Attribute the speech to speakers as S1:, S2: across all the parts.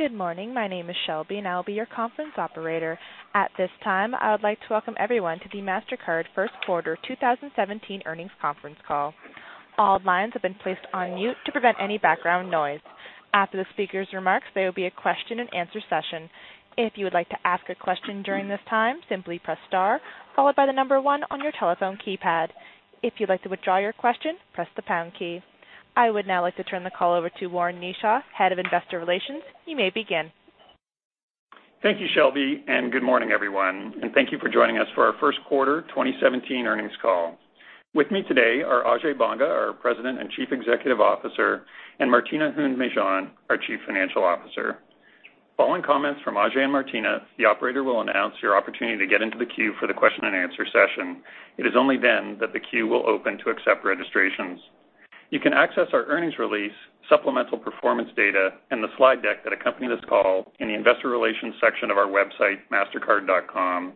S1: Good morning. My name is Shelby and I will be your conference operator. At this time, I would like to welcome everyone to the Mastercard First Quarter 2017 Earnings Conference Call. All lines have been placed on mute to prevent any background noise. After the speaker's remarks, there will be a question and answer session. If you would like to ask a question during this time, simply press star, followed by the number one on your telephone keypad. If you'd like to withdraw your question, press the pound key. I would now like to turn the call over to Warren Kneeshaw, Head of Investor Relations. You may begin.
S2: Thank you, Shelby. Good morning, everyone, and thank you for joining us for our first quarter 2017 earnings call. With me today are Ajay Banga, our President and Chief Executive Officer, and Martina Hund-Mejean, our Chief Financial Officer. Following comments from Ajay and Martina, the operator will announce your opportunity to get into the queue for the question and answer session. It is only then that the queue will open to accept registrations. You can access our earnings release, supplemental performance data, and the slide deck that accompany this call in the investor relations section of our website, mastercard.com.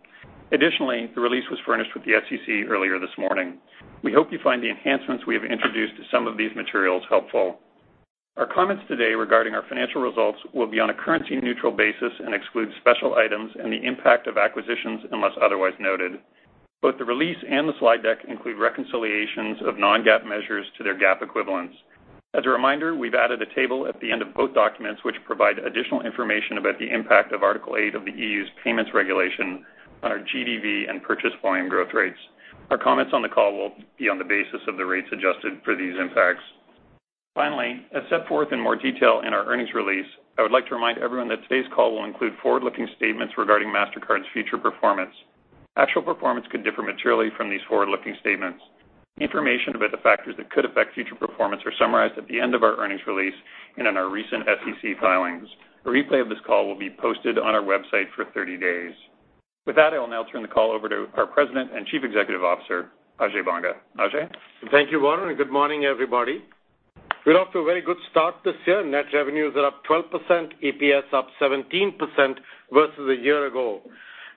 S2: Additionally, the release was furnished with the SEC earlier this morning. We hope you find the enhancements we have introduced to some of these materials helpful. Our comments today regarding our financial results will be on a currency-neutral basis and exclude special items and the impact of acquisitions unless otherwise noted. Both the release and the slide deck include reconciliations of non-GAAP measures to their GAAP equivalents. As a reminder, we've added a table at the end of both documents, which provide additional information about the impact of Article 8 of the EU's Interchange Fee Regulation on our GDV and purchase volume growth rates. Our comments on the call will be on the basis of the rates adjusted for these impacts. As set forth in more detail in our earnings release, I would like to remind everyone that today's call will include forward-looking statements regarding Mastercard's future performance. Actual performance could differ materially from these forward-looking statements. Information about the factors that could affect future performance are summarized at the end of our earnings release and in our recent SEC filings. A replay of this call will be posted on our website for 30 days. I will now turn the call over to our President and Chief Executive Officer, Ajay Banga. Ajay?
S3: Thank you, Warren, and good morning, everybody. We're off to a very good start this year. Net revenues are up 12%, EPS up 17% versus a year ago.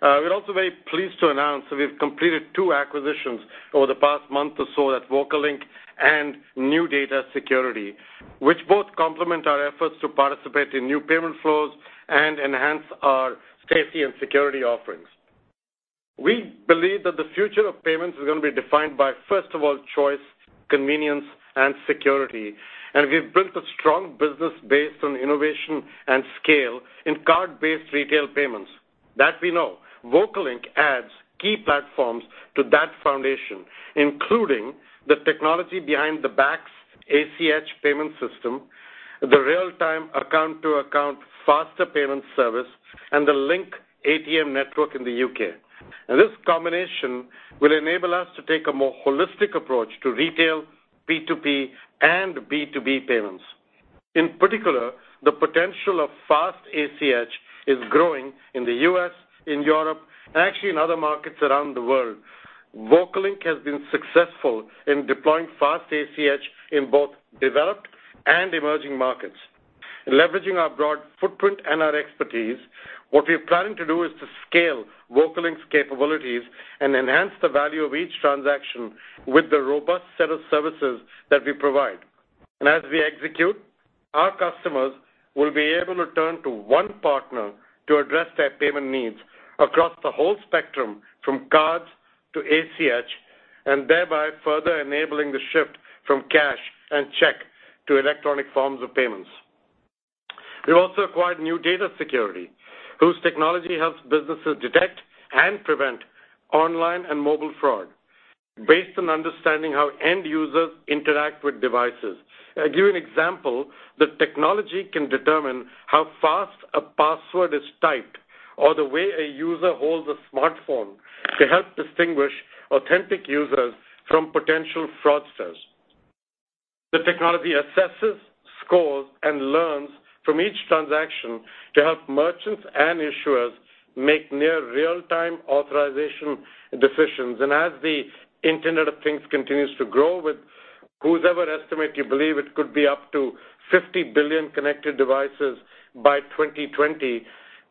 S3: We're also very pleased to announce that we've completed two acquisitions over the past month or so: VocaLink and NuData Security, which both complement our efforts to participate in new payment flows and enhance our safety and security offerings. We believe that the future of payments is going to be defined by, first of all, choice, convenience, and security. We've built a strong business based on innovation and scale in card-based retail payments. That we know. VocaLink adds key platforms to that foundation, including the technology behind the Bacs ACH payment system, the real-time account-to-account faster payment service, and the Link ATM network in the U.K. This combination will enable us to take a more holistic approach to retail, P2P, and B2B payments. In particular, the potential of Fast ACH is growing in the U.S., in Europe, and actually in other markets around the world. VocaLink has been successful in deploying Fast ACH in both developed and emerging markets. Leveraging our broad footprint and our expertise, what we are planning to do is to scale VocaLink's capabilities and enhance the value of each transaction with the robust set of services that we provide. As we execute, our customers will be able to turn to one partner to address their payment needs across the whole spectrum, from cards to ACH, and thereby further enabling the shift from cash and check to electronic forms of payments. We also acquired NuData Security, whose technology helps businesses detect and prevent online and mobile fraud based on understanding how end users interact with devices. I give you an example. The technology can determine how fast a password is typed or the way a user holds a smartphone to help distinguish authentic users from potential fraudsters. The technology assesses, scores, and learns from each transaction to help merchants and issuers make near real-time authorization decisions. As the Internet of Things continues to grow, with whosever estimate you believe it could be up to 50 billion connected devices by 2020,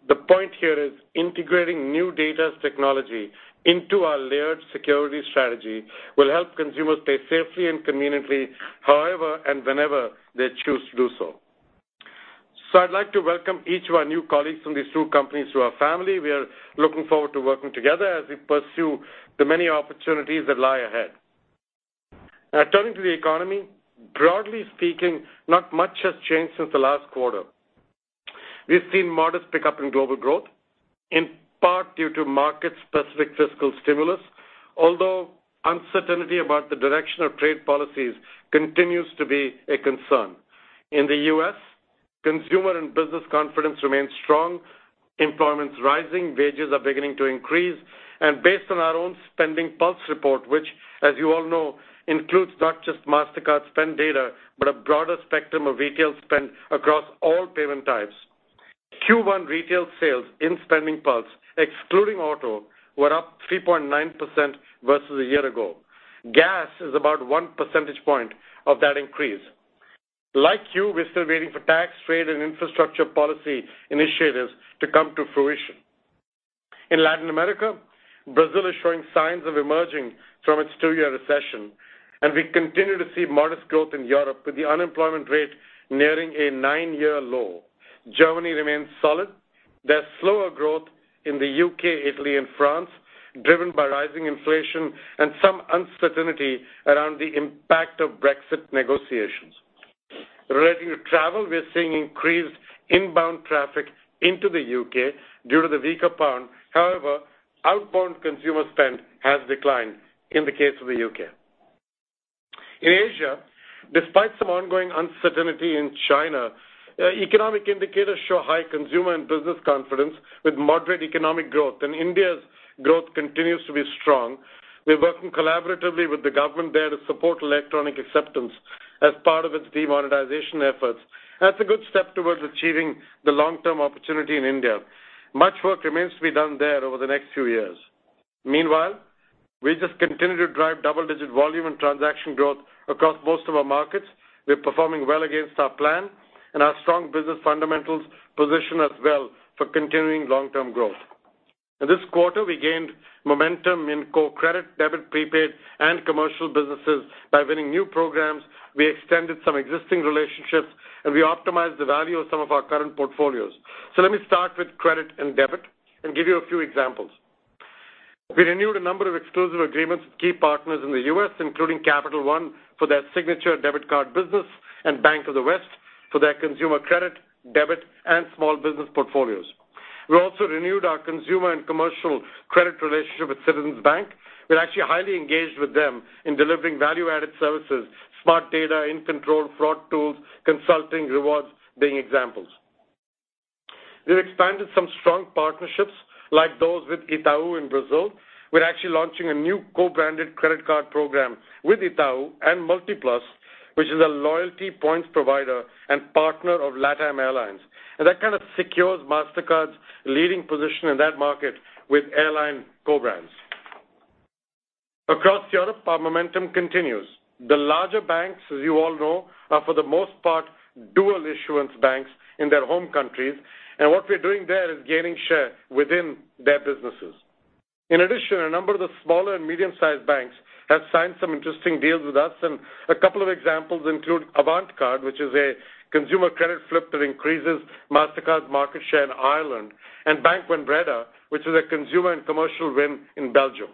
S3: the point here is integrating NuData's technology into our layered security strategy will help consumers pay safely and conveniently however and whenever they choose to do so. I'd like to welcome each of our new colleagues from these two companies to our family. We are looking forward to working together as we pursue the many opportunities that lie ahead. Now turning to the economy. Broadly speaking, not much has changed since the last quarter. We've seen modest pickup in global growth, in part due to market-specific fiscal stimulus. Although uncertainty about the direction of trade policies continues to be a concern. In the U.S., consumer and business confidence remains strong, employment's rising, wages are beginning to increase. Based on our own SpendingPulse report, which as you all know, includes not just Mastercard spend data, but a broader spectrum of retail spend across all payment types. Q1 retail sales in SpendingPulse, excluding auto, were up 3.9% versus a year ago. Gas is about one percentage point of that increase. Like you, we're still waiting for tax, trade, and infrastructure policy initiatives to come to fruition. In Latin America, Brazil is showing signs of emerging from its two-year recession. We continue to see modest growth in Europe with the unemployment rate nearing a nine-year low. Germany remains solid. There is slower growth in the U.K., Italy, and France, driven by rising inflation and some uncertainty around the impact of Brexit negotiations. Relating to travel, we are seeing increased inbound traffic into the U.K. due to the weaker pound. However, outbound consumer spend has declined in the case of the U.K. In Asia, despite some ongoing uncertainty in China, economic indicators show high consumer and business confidence with moderate economic growth. India's growth continues to be strong. We are working collaboratively with the government there to support electronic acceptance as part of its demonetization efforts. That is a good step towards achieving the long-term opportunity in India. Much work remains to be done there over the next few years. Meanwhile, we just continue to drive double-digit volume and transaction growth across most of our markets. We are performing well against our plan, and our strong business fundamentals position us well for continuing long-term growth. In this quarter, we gained momentum in co-credit, debit, prepaid, and commercial businesses by winning new programs. We extended some existing relationships, and we optimized the value of some of our current portfolios. Let me start with credit and debit and give you a few examples. We renewed a number of exclusive agreements with key partners in the U.S., including Capital One for their signature debit card business and Bank of the West for their consumer credit, debit, and small business portfolios. We also renewed our consumer and commercial credit relationship with Citizens Bank. We are actually highly engaged with them in delivering value-added services, Smart Data, inControl fraud tools, consulting, rewards, being examples. We have expanded some strong partnerships like those with Itaú in Brazil. We are actually launching a new co-branded credit card program with Itaú and Multiplus, which is a loyalty points provider and partner of LATAM Airlines. That kind of secures Mastercard's leading position in that market with airline co-brands. Across Europe, our momentum continues. The larger banks, as you all know, are for the most part dual-issuance banks in their home countries. What we are doing there is gaining share within their businesses. In addition, a number of the smaller and medium-sized banks have signed some interesting deals with us. A couple of examples include Avantcard, which is a consumer credit flip that increases Mastercard's market share in Ireland; and Bank Van Breda, which is a consumer and commercial win in Belgium.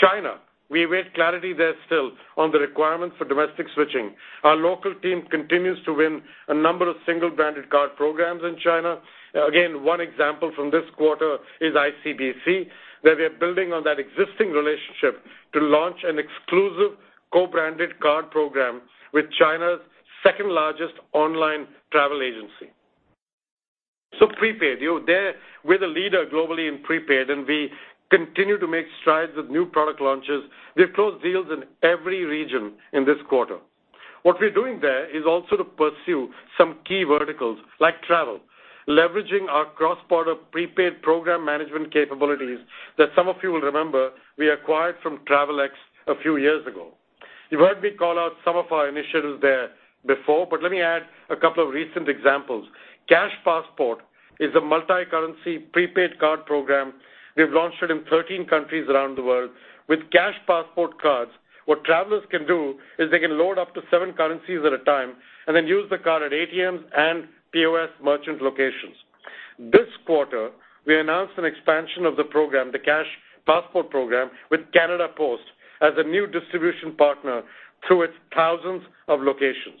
S3: China, we await clarity there still on the requirements for domestic switching. Our local team continues to win a number of single-branded card programs in China. Again, one example from this quarter is ICBC, where we are building on that existing relationship to launch an exclusive co-branded card program with China's second-largest online travel agency. Prepaid. We are the leader globally in prepaid, and we continue to make strides with new product launches. We have closed deals in every region in this quarter. What we're doing there is also to pursue some key verticals like travel, leveraging our cross-border prepaid program management capabilities that some of you will remember we acquired from Travelex a few years ago. You've heard me call out some of our initiatives there before, but let me add a couple of recent examples. Cash Passport is a multicurrency prepaid card program. We've launched it in 13 countries around the world. With Cash Passport cards, what travelers can do is they can load up to seven currencies at a time and then use the card at ATMs and POS merchant locations. This quarter, we announced an expansion of the program, the Cash Passport program, with Canada Post as a new distribution partner through its thousands of locations.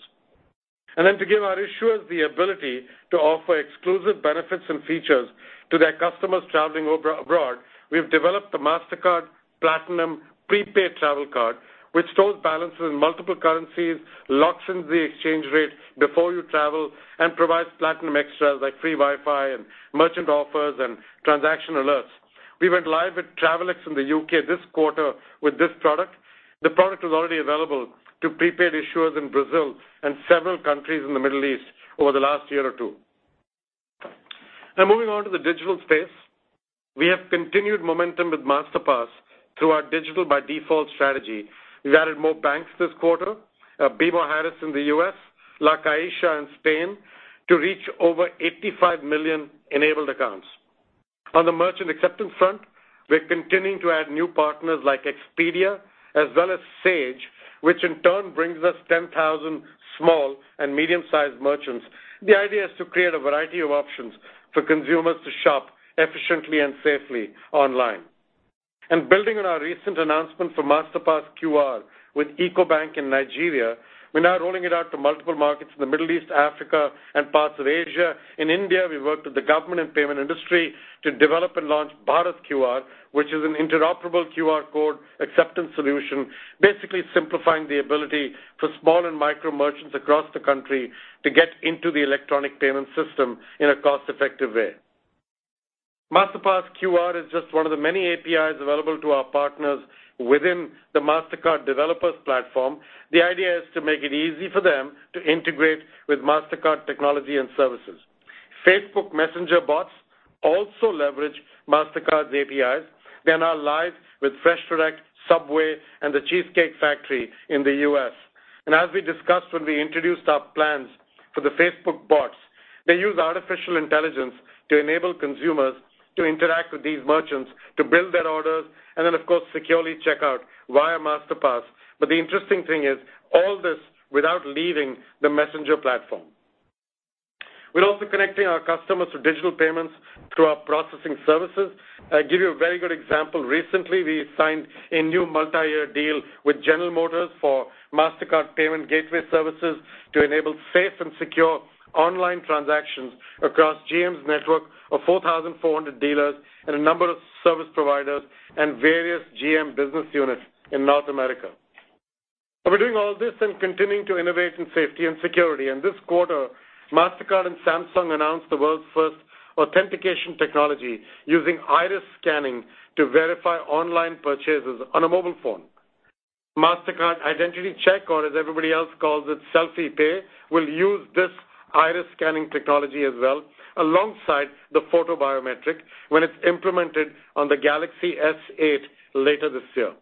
S3: To give our issuers the ability to offer exclusive benefits and features to their customers traveling abroad, we've developed the Mastercard Platinum Prepaid Travel Card, which stores balances in multiple currencies, locks in the exchange rates before you travel, and provides platinum extras like free Wi-Fi and merchant offers and transaction alerts. We went live with Travelex in the U.K. this quarter with this product. The product was already available to prepaid issuers in Brazil and several countries in the Middle East over the last year or two. Moving on to the digital space. We have continued momentum with Masterpass through our digital-by-default strategy. We've added more banks this quarter, BMO Harris in the U.S., La Caixa in Spain, to reach over 85 million enabled accounts. On the merchant acceptance front, we're continuing to add new partners like Expedia as well as Sage, which in turn brings us 10,000 small and medium-sized merchants. The idea is to create a variety of options for consumers to shop efficiently and safely online. Building on our recent announcement for Masterpass QR with Ecobank in Nigeria, we're now rolling it out to multiple markets in the Middle East, Africa, and parts of Asia. In India, we worked with the government and payment industry to develop and launch Bharat QR, which is an interoperable QR code acceptance solution, basically simplifying the ability for small and micro merchants across the country to get into the electronic payment system in a cost-effective way. Masterpass QR is just one of the many APIs available to our partners within the Mastercard Developers Platform. The idea is to make it easy for them to integrate with Mastercard technology and services. Facebook Messenger bots also leverage Mastercard's APIs. They are now live with FreshDirect, Subway, and The Cheesecake Factory in the U.S. As we discussed when we introduced our plans for the Facebook bots, they use artificial intelligence to enable consumers to interact with these merchants to build their orders, then, of course, securely check out via Masterpass. The interesting thing is all this without leaving the Messenger platform. We're also connecting our customers to digital payments through our processing services. I give you a very good example. Recently, we signed a new multi-year deal with General Motors for Mastercard Payment Gateway Services to enable safe and secure online transactions across GM's network of 4,400 dealers and a number of service providers and various GM business units in North America. We're doing all this and continuing to innovate in safety and security. This quarter, Mastercard and Samsung announced the world's first authentication technology using iris scanning to verify online purchases on a mobile phone. Mastercard Identity Check or as everybody else calls it, Selfie Pay, will use this iris scanning technology as well alongside the photo biometric when it's implemented on the Galaxy S8 later this year.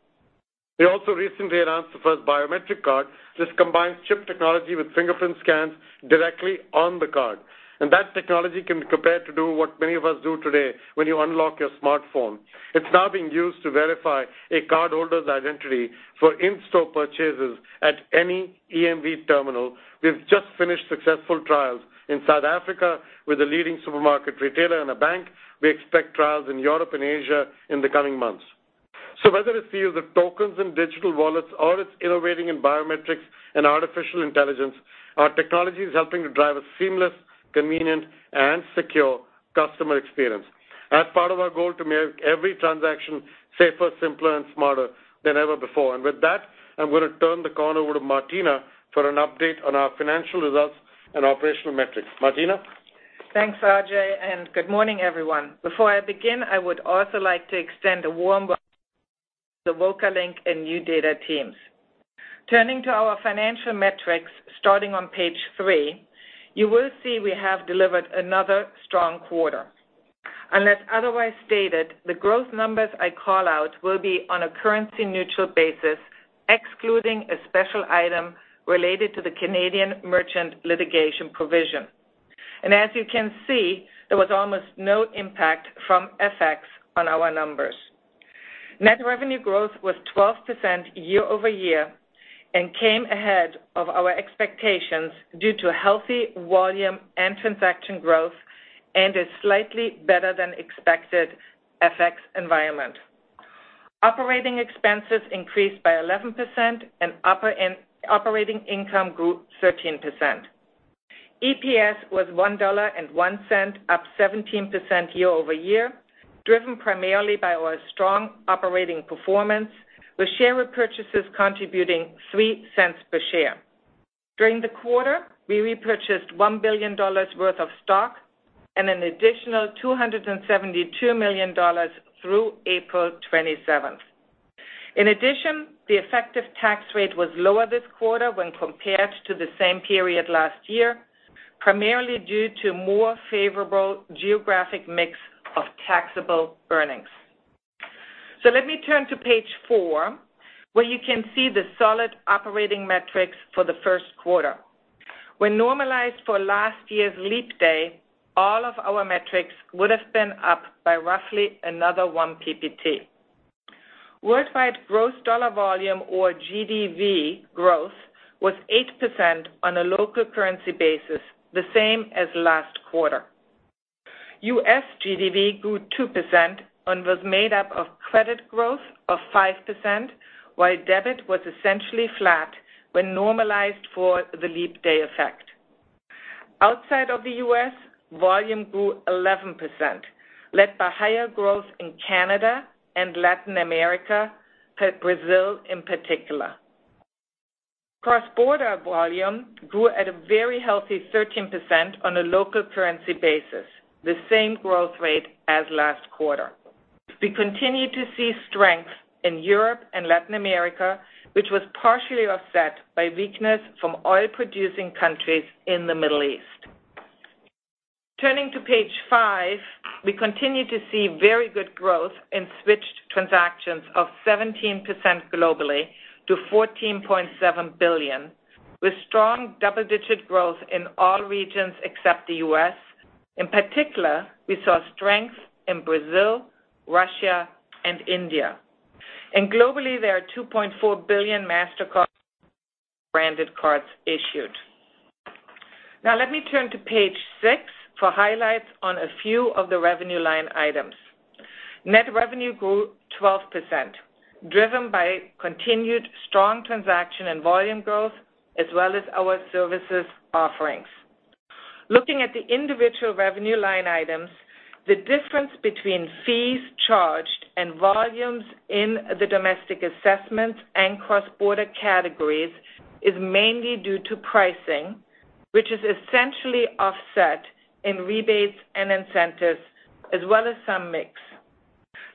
S3: We also recently announced the first biometric card. This combines chip technology with fingerprint scans directly on the card. That technology can be compared to do what many of us do today when you unlock your smartphone. It's now being used to verify a cardholder's identity for in-store purchases at any EMV terminal. We've just finished successful trials in South Africa with a leading supermarket retailer and a bank. We expect trials in Europe and Asia in the coming months. Whether it's via the tokens and digital wallets or it's innovating in biometrics and artificial intelligence, our technology is helping to drive a seamless, convenient, and secure customer experience as part of our goal to make every transaction safer, simpler, and smarter than ever before. With that, I'm going to turn the call over to Martina for an update on our financial results and operational metrics. Martina?
S4: Thanks, Ajay. Good morning, everyone. Before I begin, I would also like to extend a warm welcome to the VocaLink and NuData teams. Turning to our financial metrics, starting on page three, you will see we have delivered another strong quarter. Unless otherwise stated, the growth numbers I call out will be on a currency-neutral basis, excluding a special item related to the Canadian merchant litigation provision. As you can see, there was almost no impact from FX on our numbers. Net revenue growth was 12% year-over-year and came ahead of our expectations due to healthy volume and transaction growth and a slightly better than expected FX environment. Operating expenses increased by 11% and operating income grew 13%. EPS was $1.01, up 17% year-over-year, driven primarily by our strong operating performance, with share repurchases contributing $0.03 per share. During the quarter, we repurchased $1 billion worth of stock and an additional $272 million through April 27th. In addition, the effective tax rate was lower this quarter when compared to the same period last year, primarily due to more favorable geographic mix of taxable earnings. Let me turn to page four, where you can see the solid operating metrics for the first quarter. When normalized for last year's leap day, all of our metrics would have been up by roughly another one PPT. Worldwide gross dollar volume or GDV growth was 8% on a local currency basis, the same as last quarter. U.S. GDV grew 2% and was made up of credit growth of 5%, while debit was essentially flat when normalized for the leap day effect. Outside of the U.S., volume grew 11%, led by higher growth in Canada and Latin America, Brazil in particular. Cross-border volume grew at a very healthy 13% on a local currency basis, the same growth rate as last quarter. We continue to see strength in Europe and Latin America, which was partially offset by weakness from oil-producing countries in the Middle East. Turning to page five, we continue to see very good growth in switched transactions of 17% globally to $14.7 billion, with strong double-digit growth in all regions except the U.S. In particular, we saw strength in Brazil, Russia, and India. Globally, there are 2.4 billion Mastercard-branded cards issued. Let me turn to page six for highlights on a few of the revenue line items. Net revenue grew 12%, driven by continued strong transaction and volume growth, as well as our services offerings. Looking at the individual revenue line items, the difference between fees charged and volumes in the domestic assessments and cross-border categories is mainly due to pricing, which is essentially offset in rebates and incentives, as well as some mix.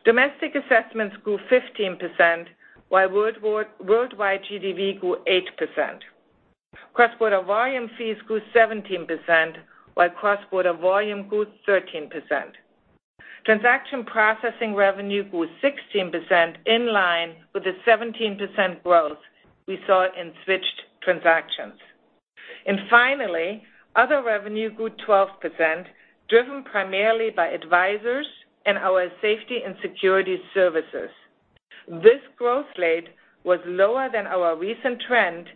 S4: Domestic assessments grew 15%, while worldwide GDV grew 8%. Cross-border volume fees grew 17%, while cross-border volume grew 13%. Transaction processing revenue grew 16%, in line with the 17% growth we saw in switched transactions. Finally, other revenue grew 12%, driven primarily by Advisors and our safety and security services. This growth rate was lower than our recent trend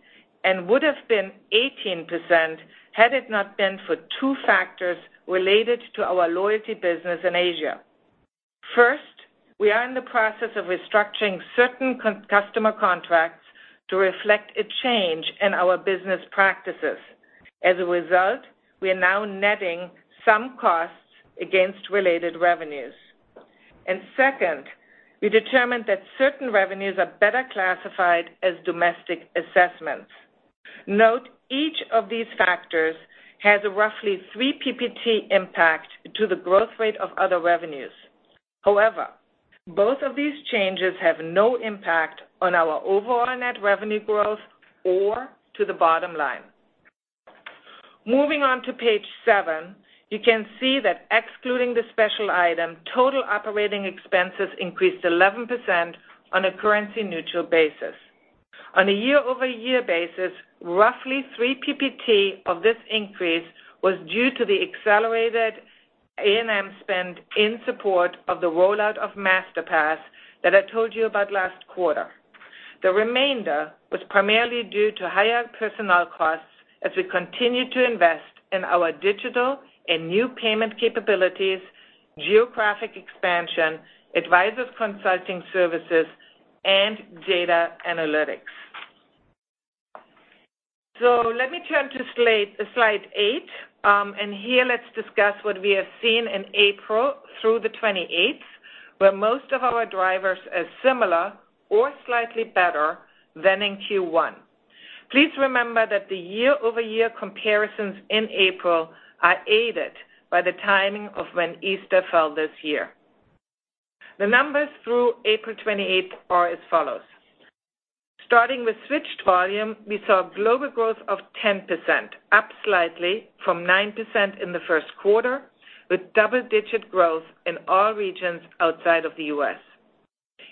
S4: and would have been 18% had it not been for two factors related to our loyalty business in Asia. First, we are in the process of restructuring certain customer contracts to reflect a change in our business practices. As a result, we are now netting some costs against related revenues. Second, we determined that certain revenues are better classified as domestic assessments. Note each of these factors has a roughly three PPT impact to the growth rate of other revenues. However, both of these changes have no impact on our overall net revenue growth or to the bottom line. Moving on to page seven, you can see that excluding the special item, total operating expenses increased 11% on a currency-neutral basis. On a year-over-year basis, roughly three PPT of this increase was due to the accelerated A&M spend in support of the rollout of Masterpass that I told you about last quarter. The remainder was primarily due to higher personnel costs as we continue to invest in our digital and new payment capabilities, geographic expansion, advisor consulting services, and data analytics. Let me turn to slide eight, and here let's discuss what we have seen in April through the 28th, where most of our drivers are similar or slightly better than in Q1. Please remember that the year-over-year comparisons in April are aided by the timing of when Easter fell this year. The numbers through April 28th are as follows. Starting with switched volume, we saw global growth of 10%, up slightly from 9% in the first quarter, with double-digit growth in all regions outside of the U.S.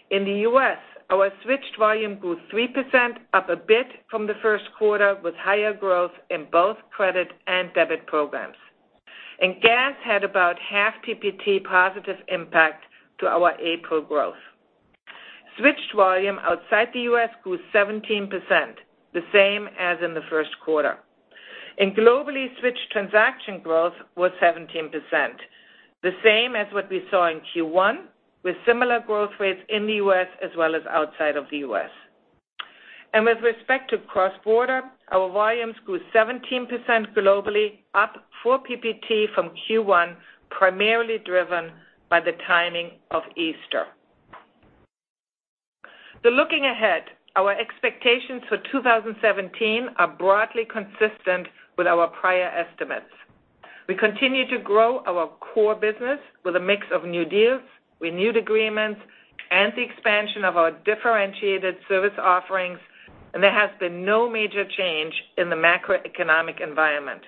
S4: In the U.S., our switched volume grew 3%, up a bit from the first quarter, with higher growth in both credit and debit programs, and gas had about half PPT positive impact to our April growth. Switched volume outside the U.S. grew 17%, the same as in the first quarter. Globally switched transaction growth was 17%, the same as what we saw in Q1, with similar growth rates in the U.S. as well as outside of the U.S. With respect to cross-border, our volumes grew 17% globally, up 4 PPT from Q1, primarily driven by the timing of Easter. Looking ahead, our expectations for 2017 are broadly consistent with our prior estimates. We continue to grow our core business with a mix of new deals, renewed agreements, and the expansion of our differentiated service offerings, and there has been no major change in the macroeconomic environment.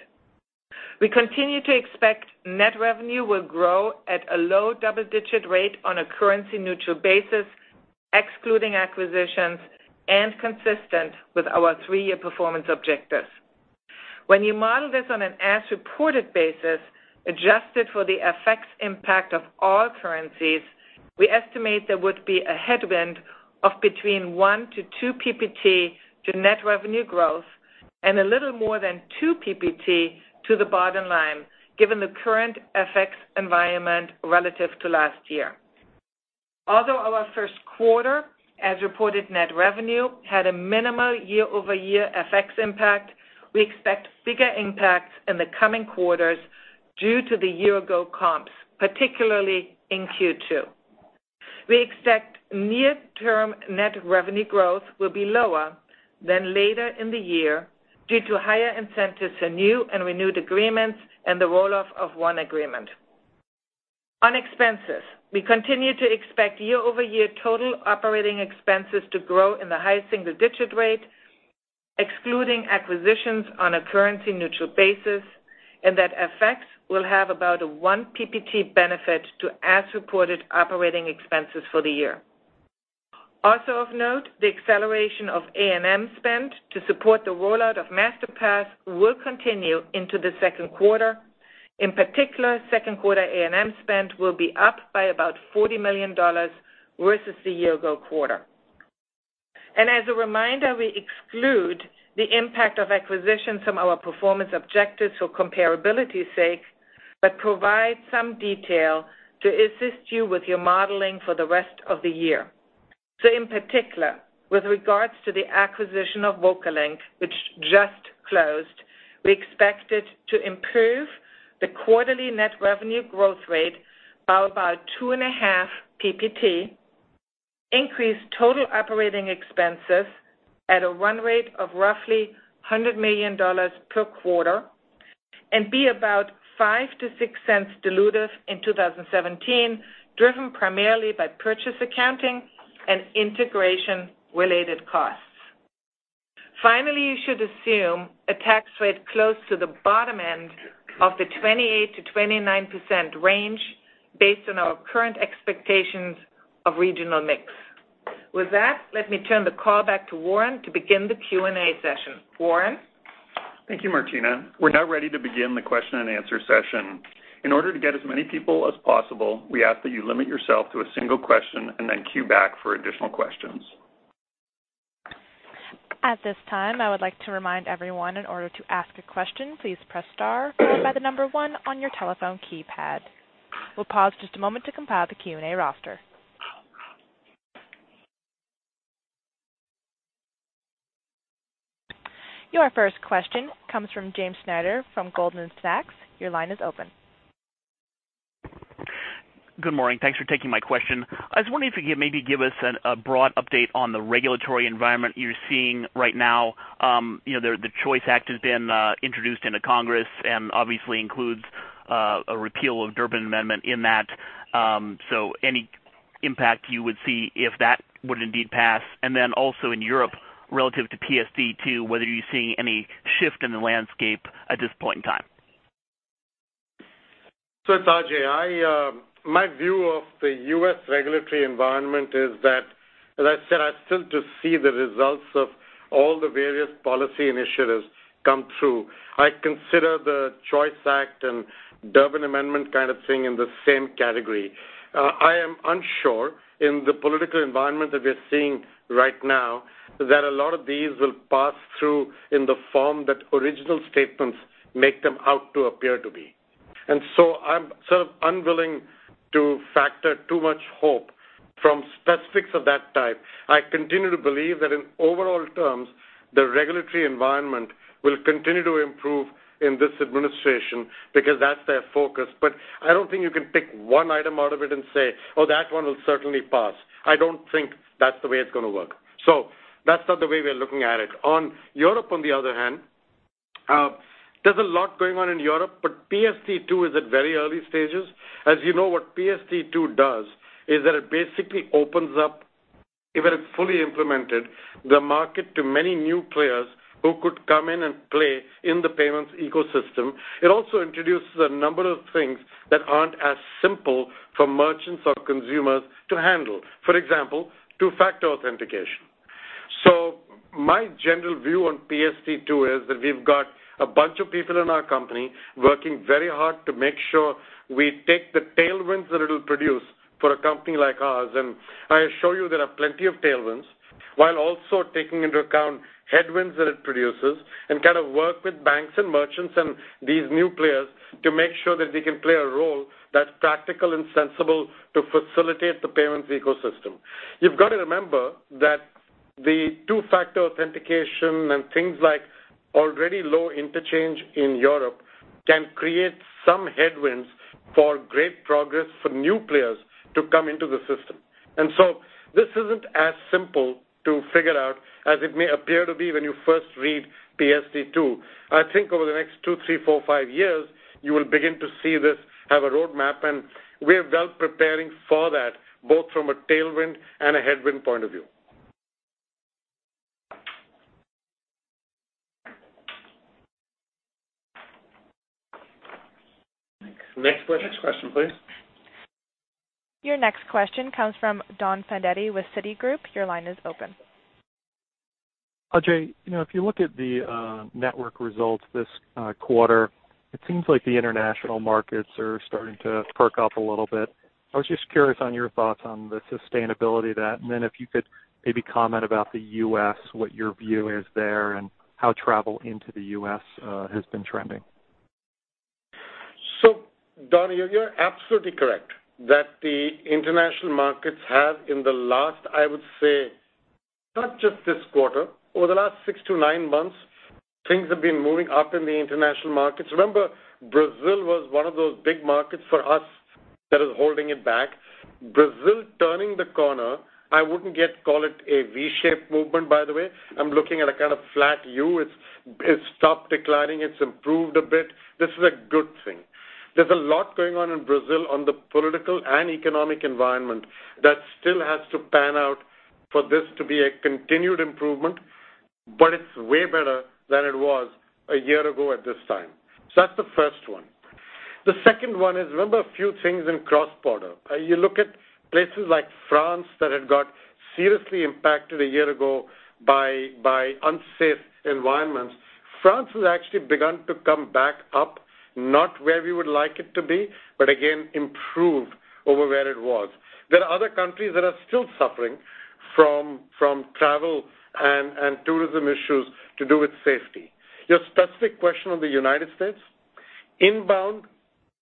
S4: We continue to expect net revenue will grow at a low double-digit rate on a currency-neutral basis, excluding acquisitions and consistent with our three-year performance objectives. When you model this on an as-reported basis, adjusted for the FX impact of all currencies, we estimate there would be a headwind of between 1-2 PPT to net revenue growth and a little more than 2 PPT to the bottom line, given the current FX environment relative to last year. Although our first quarter as-reported net revenue had a minimal year-over-year FX impact, we expect bigger impacts in the coming quarters due to the year-ago comps, particularly in Q2. We expect near-term net revenue growth will be lower than later in the year due to higher incentives and new and renewed agreements and the roll-off of 1 agreement. On expenses, we continue to expect year-over-year total operating expenses to grow in the high single-digit rate, excluding acquisitions on a currency-neutral basis, and that FX will have about a 1 PPT benefit to as-reported operating expenses for the year. Also of note, the acceleration of A&M spend to support the rollout of Masterpass will continue into the second quarter. In particular, second quarter A&M spend will be up by about $40 million versus the year-ago quarter. As a reminder, we exclude the impact of acquisitions from our performance objectives for comparability's sake but provide some detail to assist you with your modeling for the rest of the year. In particular, with regards to the acquisition of VocaLink, which just closed, we expect it to improve the quarterly net revenue growth rate by about 2.5 PPT, increase total operating expenses at a run rate of roughly $100 million per quarter, and be about $0.05-$0.06 dilutive in 2017, driven primarily by purchase accounting and integration-related costs. Finally, you should assume a tax rate close to the bottom end of the 28%-29% range based on our current expectations of regional mix. With that, let me turn the call back to Warren to begin the Q&A session. Warren?
S2: Thank you, Martina. We're now ready to begin the question and answer session. In order to get as many people as possible, we ask that you limit yourself to a single question and then queue back for additional questions.
S1: At this time, I would like to remind everyone, in order to ask a question, please press star followed by the number 1 on your telephone keypad. We'll pause just a moment to compile the Q&A roster. Your first question comes from James Schneider from Goldman Sachs. Your line is open.
S5: Good morning. Thanks for taking my question. I was wondering if you could maybe give us a broad update on the regulatory environment you're seeing right now. The Choice Act has been introduced into Congress and obviously includes a repeal of Durbin Amendment in that. Any impact you would see if that would indeed pass, and then also in Europe relative to PSD2, whether you're seeing any shift in the landscape at this point in time.
S3: It's Ajay. My view of the U.S. regulatory environment is that, as I said, I've still to see the results of all the various policy initiatives come through. I consider the Choice Act and Durbin Amendment kind of thing in the same category. I am unsure in the political environment that we are seeing right now that a lot of these will pass through in the form that original statements make them out to appear to be. I'm sort of unwilling to factor too much hope from specifics of that type. I continue to believe that in overall terms, the regulatory environment will continue to improve in this administration because that's their focus. I don't think you can pick one item out of it and say, "Oh, that one will certainly pass." I don't think that's the way it's gonna work. That's not the way we are looking at it. On Europe, on the other hand, there's a lot going on in Europe, but PSD2 is at very early stages. As you know, what PSD2 does is that it basically opens up, if it is fully implemented, the market to many new players who could come in and play in the payments ecosystem. It also introduces a number of things that aren't as simple for merchants or consumers to handle. For example, two-factor authentication. My general view on PSD2 is that we've got a bunch of people in our company working very hard to make sure we take the tailwinds that it'll produce for a company like ours, and I assure you there are plenty of tailwinds, while also taking into account headwinds that it produces and kind of work with banks and merchants and these new players to make sure that we can play a role that's practical and sensible to facilitate the payments ecosystem. You've got to remember that the two-factor authentication and things like already low interchange in Europe can create some headwinds for great progress for new players to come into the system. This isn't as simple to figure out as it may appear to be when you first read PSD2. I think over the next two, three, four, five years, you will begin to see this have a roadmap, and we are well preparing for that, both from a tailwind and a headwind point of view.
S2: Next question, please.
S1: Your next question comes from Donald Fandetti with Citigroup. Your line is open.
S6: Ajay, if you look at the network results this quarter, it seems like the international markets are starting to perk up a little bit. I was just curious on your thoughts on the sustainability of that, and then if you could maybe comment about the U.S., what your view is there, and how travel into the U.S. has been trending.
S3: Don, you're absolutely correct that the international markets have in the last, I would say, not just this quarter, over the last six to nine months, things have been moving up in the international markets. Remember, Brazil was one of those big markets for us that is holding it back. Brazil turning the corner, I wouldn't yet call it a V-shaped movement, by the way. I'm looking at a kind of flat U. It's stopped declining. It's improved a bit. This is a good thing. There's a lot going on in Brazil on the political and economic environment that still has to pan out for this to be a continued improvement, but it's way better than it was a year ago at this time. That's the first one. The second one is, remember a few things in cross-border. You look at places like France that had got seriously impacted a year ago by unsafe environments. France has actually begun to come back up, not where we would like it to be, but again, improved over where it was. There are other countries that are still suffering from travel and tourism issues to do with safety. Your specific question on the United States, inbound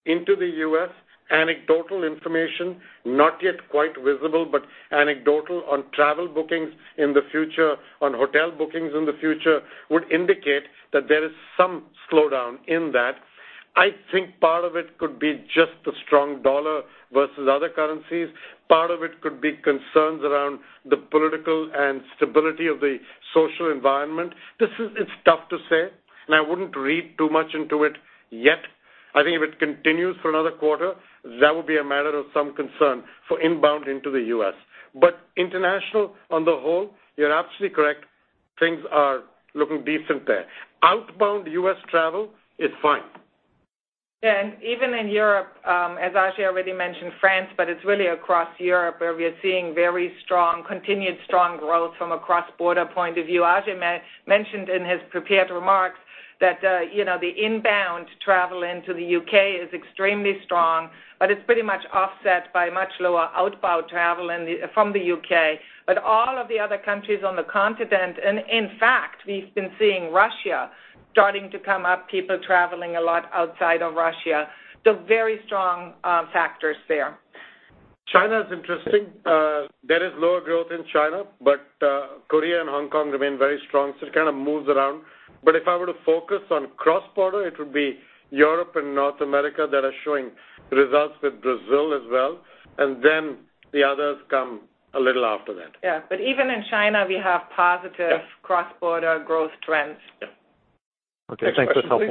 S3: into the U.S., anecdotal information, not yet quite visible, but anecdotal on travel bookings in the future, on hotel bookings in the future would indicate that there is some slowdown in that. I think part of it could be just the strong dollar versus other currencies. Part of it could be concerns around the political and stability of the social environment. It's tough to say. I wouldn't read too much into it yet. I think if it continues for another quarter, that would be a matter of some concern for inbound into the U.S. International, on the whole, you're absolutely correct, things are looking decent there. Outbound U.S. travel is fine.
S4: Yeah. Even in Europe, as Ajay already mentioned France, it's really across Europe where we are seeing very continued strong growth from a cross-border point of view. Ajay mentioned in his prepared remarks that the inbound travel into the U.K. is extremely strong, it's pretty much offset by much lower outbound travel from the U.K. All of the other countries on the continent, in fact, we've been seeing Russia starting to come up, people traveling a lot outside of Russia. Very strong factors there.
S3: China's interesting. There is lower growth in China, Korea and Hong Kong remain very strong, it kind of moves around. If I were to focus on cross-border, it would be Europe and North America that are showing results, with Brazil as well. Then the others come a little after that.
S4: Yeah. Even in China, we have positive.
S3: Yeah
S4: cross-border growth trends.
S3: Yeah.
S6: Okay, thanks. That is helpful.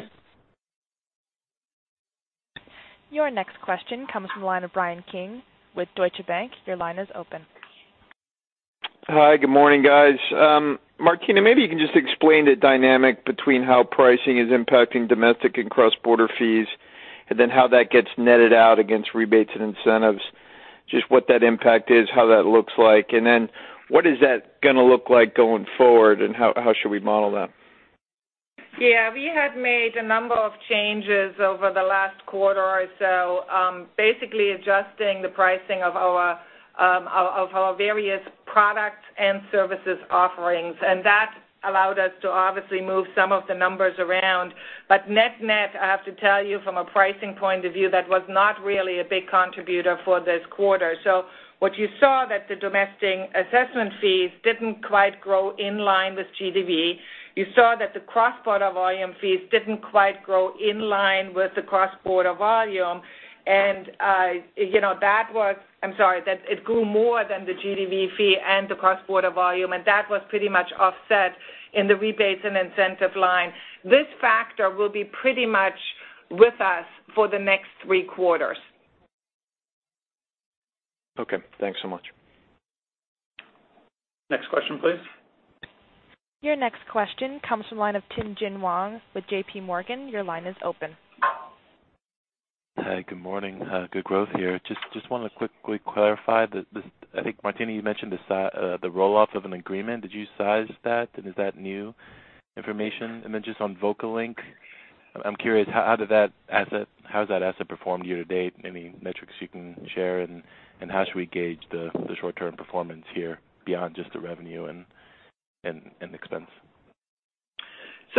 S2: Next question, please.
S1: Your next question comes from the line of Bryan Keane with Deutsche Bank. Your line is open.
S7: Hi, good morning, guys. Martina, maybe you can just explain the dynamic between how pricing is impacting domestic and cross-border fees, how that gets netted out against rebates and incentives. Just what that impact is, how that looks like, what is that going to look like going forward, and how should we model that?
S4: Yeah. We had made a number of changes over the last quarter or so, basically adjusting the pricing of our various product and services offerings. That allowed us to obviously move some of the numbers around. Net-net, I have to tell you from a pricing point of view, that was not really a big contributor for this quarter. What you saw that the domestic assessment fees didn't quite grow in line with GDV. You saw that the cross-border volume fees didn't quite grow in line with the cross-border volume. I'm sorry, it grew more than the GDV fee and the cross-border volume, was pretty much offset in the rebates and incentive line. This factor will be pretty much with us for the next three quarters.
S7: Okay. Thanks so much.
S2: Next question, please.
S1: Your next question comes from line of Tien-tsin Huang with J.P. Morgan. Your line is open.
S8: Hi, good morning. Good growth here. Just wanted to quickly clarify that, I think, Martina, you mentioned the roll-off of an agreement. Did you size that, and is that new information? And then just on VocaLink, I'm curious, how does that asset perform year to date? Any metrics you can share, and how should we gauge the short-term performance here beyond just the revenue and expense?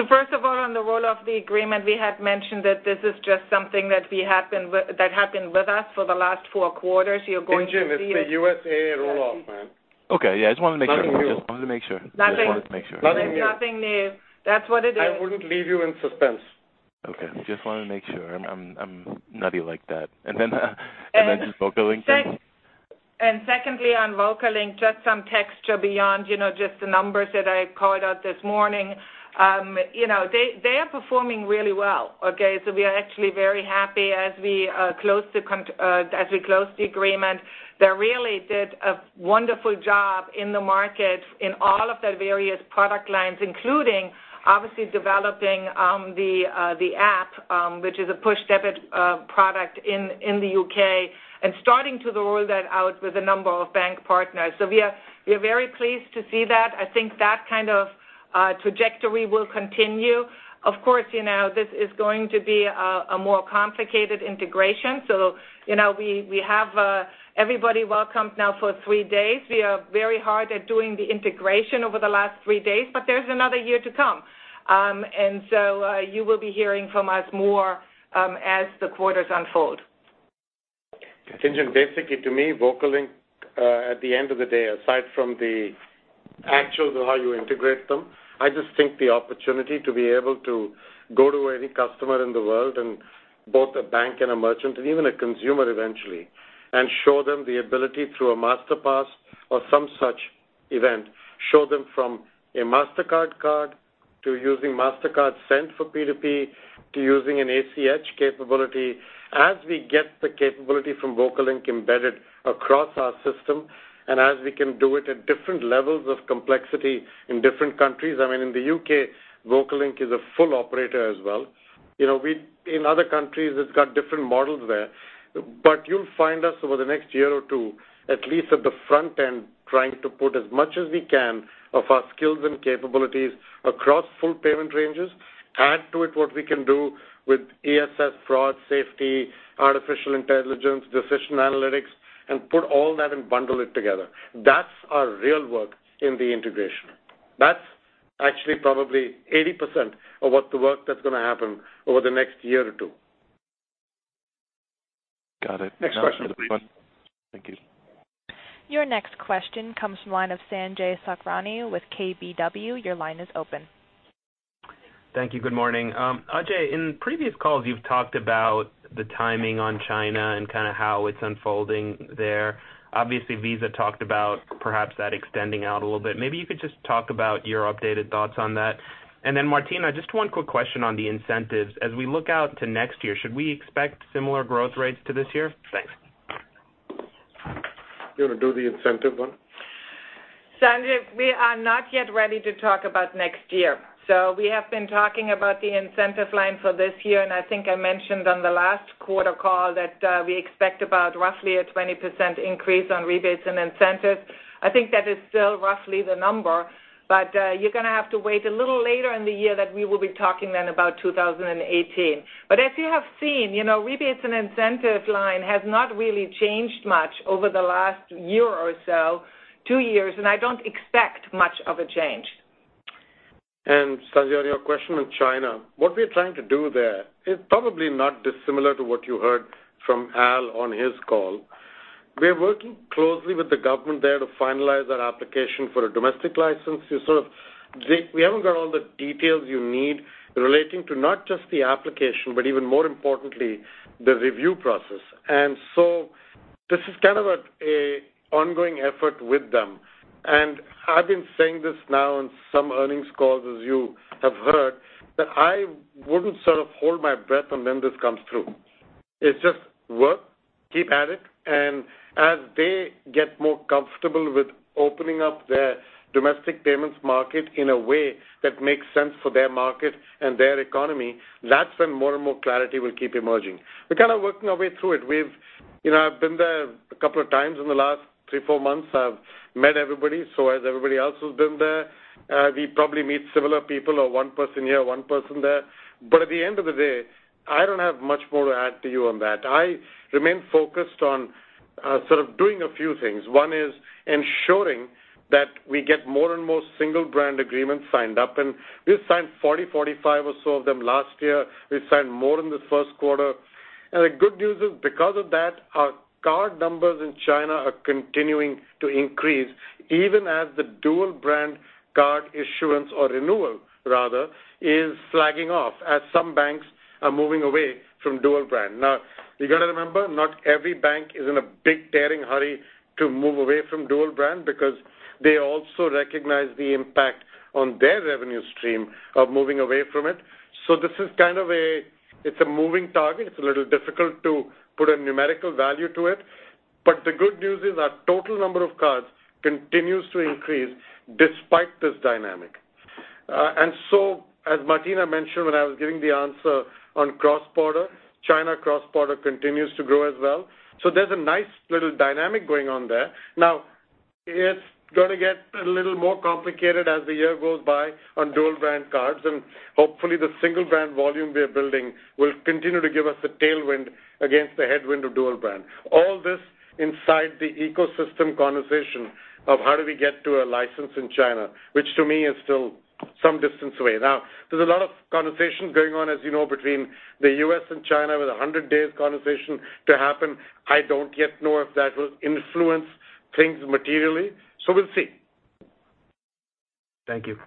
S4: First of all, on the roll-off the agreement, we had mentioned that this is just something that happened with us for the last 4 quarters. You're going to see-
S3: Tien-tsin, it's a USAA roll-off, man.
S8: Okay. Yeah, I just wanted to make sure.
S3: Nothing new.
S8: I just wanted to make sure.
S4: Nothing.
S3: Nothing new.
S4: Nothing new. That's what it is.
S3: I wouldn't leave you in suspense.
S8: Okay. Just wanted to make sure. I'm nutty like that. Then just VocaLink?
S4: Secondly, on VocaLink, just some texture beyond just the numbers that I called out this morning. They are performing really well. Okay. We are actually very happy as we close the agreement. They really did a wonderful job in the market in all of their various product lines, including obviously developing the app, which is a push debit product in the U.K., starting to roll that out with a number of bank partners. We are very pleased to see that. I think that kind of trajectory will continue. Of course, this is going to be a more complicated integration. We have everybody welcome now for three days. We are very hard at doing the integration over the last three days, but there's another year to come. You will be hearing from us more as the quarters unfold.
S3: Tien-tsin, basically to me, VocaLink, at the end of the day, aside from the actual how you integrate them, I just think the opportunity to be able to go to any customer in the world and both a bank and a merchant, and even a consumer eventually, and show them the ability through a Masterpass or some such event. Show them from a Mastercard card to using Mastercard Send for P2P, to using an ACH capability. As we get the capability from VocaLink embedded across our system, as we can do it at different levels of complexity in different countries, I mean, in the U.K., VocaLink is a full operator as well. In other countries, it's got different models there. You'll find us over the next year or two, at least at the front end, trying to put as much as we can of our skills and capabilities across full payment ranges. Add to it what we can do with ESS fraud, safety, artificial intelligence, decision analytics, and put all that and bundle it together. That's our real work in the integration. That's actually probably 80% of what the work that's going to happen over the next year or two.
S8: Got it.
S2: Next question, please.
S8: Thank you.
S1: Your next question comes from the line of Sanjay Sakhrani with KBW. Your line is open.
S9: Thank you. Good morning. Ajay, in previous calls you've talked about the timing on China and kind of how it's unfolding there. Obviously, Visa talked about perhaps that extending out a little bit. Maybe you could just talk about your updated thoughts on that. Then Martina, just one quick question on the incentives. As we look out to next year, should we expect similar growth rates to this year? Thanks.
S3: You want to do the incentive one?
S4: Sanjay Sakhrani, we are not yet ready to talk about next year. We have been talking about the incentive line for this year, and I think I mentioned on the last quarter call that we expect about roughly a 20% increase on rebates and incentives. I think that is still roughly the number, but you're going to have to wait a little later in the year that we will be talking then about 2018. As you have seen, rebates and incentives line has not really changed much over the last year or so, two years, and I don't expect much of a change.
S3: Sanjay Sakhrani, on your question on China, what we're trying to do there is probably not dissimilar to what you heard from Al on his call. We are working closely with the government there to finalize our application for a domestic license. We haven't got all the details you need relating to not just the application, but even more importantly, the review process. This is kind of an ongoing effort with them. I've been saying this now in some earnings calls, as you have heard, that I wouldn't sort of hold my breath and then this comes through. It's just work, keep at it, and as they get more comfortable with opening up their domestic payments market in a way that makes sense for their market and their economy, that's when more and more clarity will keep emerging. We're kind of working our way through it. I've been there a couple of times in the last three, four months. I've met everybody, so as everybody else who's been there. We probably meet similar people or one person here, one person there. At the end of the day, I don't have much more to add to you on that. I remain focused on sort of doing a few things. One is ensuring that we get more and more single brand agreements signed up, and we've signed 40, 45 or so of them last year. We've signed more in the first quarter. The good news is because of that, our card numbers in China are continuing to increase even as the dual brand card issuance or renewal rather, is flagging off as some banks are moving away from dual brand. You got to remember, not every bank is in a big daring hurry to move away from dual brand because they also recognize the impact on their revenue stream of moving away from it. This is kind of a moving target. It's a little difficult to put a numerical value to it. The good news is our total number of cards continues to increase despite this dynamic. As Martina Hund-Mejean mentioned when I was giving the answer on cross-border, China cross-border continues to grow as well. There's a nice little dynamic going on there. It's going to get a little more complicated as the year goes by on dual brand cards, and hopefully the single brand volume we are building will continue to give us a tailwind against the headwind of dual brand. All this inside the ecosystem conversation of how do we get to a license in China, which to me is still some distance away. There's a lot of conversation going on, as you know, between the U.S. and China with 100 days conversation to happen. I don't yet know if that will influence things materially. We'll see.
S9: Thank you.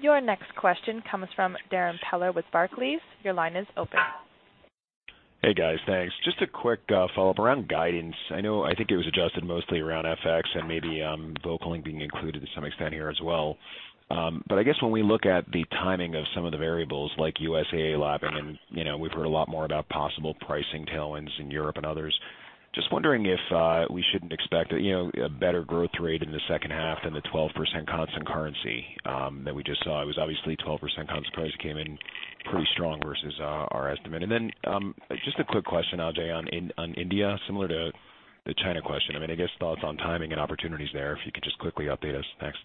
S1: Your next question comes from Darrin Peller with Barclays. Your line is open.
S10: Hey, guys. Thanks. Just a quick follow-up around guidance. I think it was adjusted mostly around FX and maybe VocaLink being included to some extent here as well. I guess when we look at the timing of some of the variables like [USAA lap and we've heard a lot more about possible pricing tailwinds in Europe and others. Just wondering if we shouldn't expect a better growth rate in the second half than the 12% constant currency that we just saw. It was obviously 12% constant currency came in pretty strong versus our estimate. Just a quick question, Ajay, on India, similar to the China question. I guess thoughts on timing and opportunities there, if you could just quickly update us. Thanks.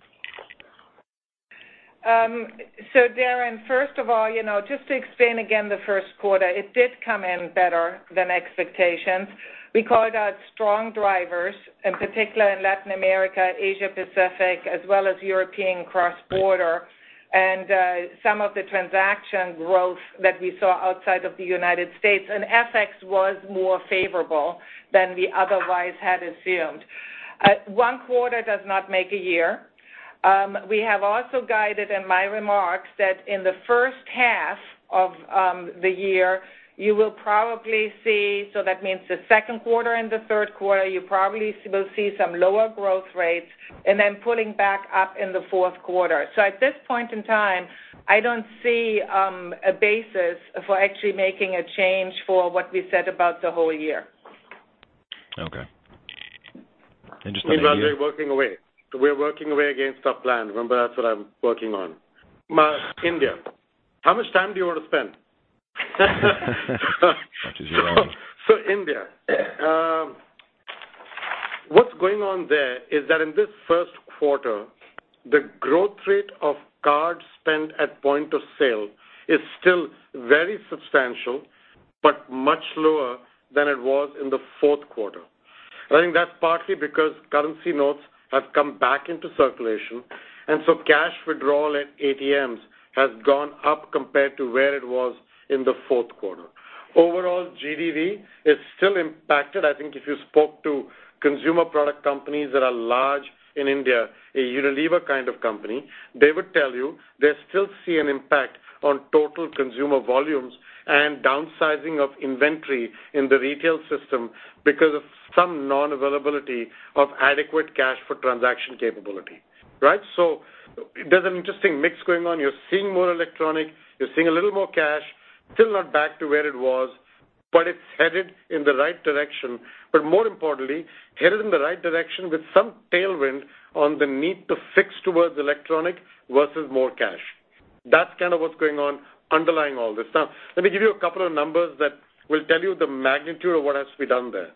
S4: Darrin, first of all, just to explain again the first quarter, it did come in better than expectations. We called out strong drivers, in particular in Latin America, Asia Pacific, as well as European cross-border. Some of the transaction growth that we saw outside of the U.S. and FX was more favorable than we otherwise had assumed. One quarter does not make a year. We have also guided in my remarks that in the first half of the year you will probably see, so that means the second quarter and the third quarter, you probably will see some lower growth rates and then pulling back up in the fourth quarter. At this point in time, I don't see a basis for actually making a change for what we said about the whole year.
S10: Okay. Just on India?
S3: Meanwhile, we're working away. We're working away against our plan. Remember, that's what I'm working on. India. How much time do you want to spend?
S10: As much as you want.
S3: India. What's going on there is that in this first quarter, the growth rate of card spend at point of sale is still very substantial, but much lower than it was in the fourth quarter. I think that's partly because currency notes have come back into circulation, and cash withdrawal at ATMs has gone up compared to where it was in the fourth quarter. Overall, GDV is still impacted. I think if you spoke to consumer product companies that are large in India, a Unilever kind of company, they would tell you they still see an impact on total consumer volumes and downsizing of inventory in the retail system because of some non-availability of adequate cash for transaction capability. Right. There's an interesting mix going on. You're seeing more electronic, you're seeing a little more cash. Still not back to where it was, but it's headed in the right direction. More importantly, headed in the right direction with some tailwind on the need to fix towards electronic versus more cash. That's kind of what's going on underlying all this. Let me give you a couple of numbers that will tell you the magnitude of what has to be done there.